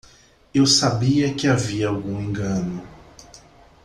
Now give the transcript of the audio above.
Eu sabia que havia algum engano.